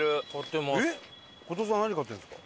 後藤さん何飼ってるんですか？